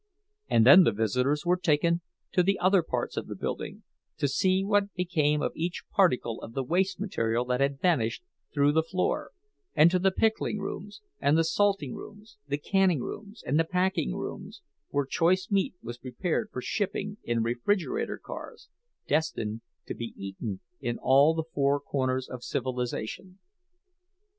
And then the visitors were taken to the other parts of the building, to see what became of each particle of the waste material that had vanished through the floor; and to the pickling rooms, and the salting rooms, the canning rooms, and the packing rooms, where choice meat was prepared for shipping in refrigerator cars, destined to be eaten in all the four corners of civilization.